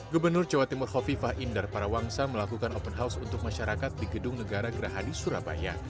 gubernur jawa timur hovifah indar parawangsa melakukan open house untuk masyarakat di gedung negara geraha di surabaya